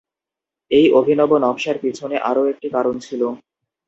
এই অভিনব নকশার পিছনে আরও একটি কারণ ছিল।